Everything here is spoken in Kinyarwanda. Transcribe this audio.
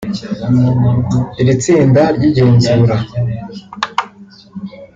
Iri tsinda ry’igenzura